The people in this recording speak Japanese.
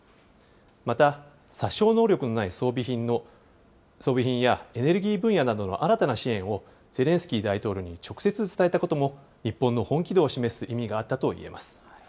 また、殺傷能力のない装備品や、エネルギー分野などの新たな支援をゼレンスキー大統領に直接伝えたことも、日本の本気度を示す意味があったといえます。